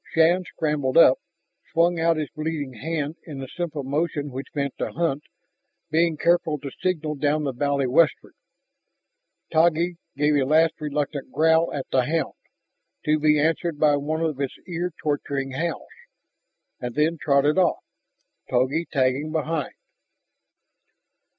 Shann scrambled up, swung out his bleeding hand in the simple motion which meant to hunt, being careful to signal down the valley westward. Taggi gave a last reluctant growl at the hound, to be answered by one of its ear torturing howls, and then trotted off, Togi tagging behind.